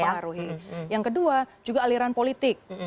pengaruhi yang kedua juga aliran politik